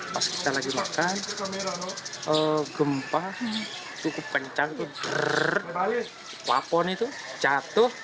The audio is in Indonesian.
pas kita lagi makan gempa cukup pencang wapon itu jatuh